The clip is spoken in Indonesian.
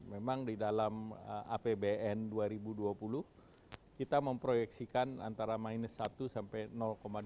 memang di dalam apbn dua ribu dua puluh kita memproyeksikan antara minus satu sampai dua puluh